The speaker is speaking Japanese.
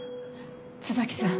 椿さん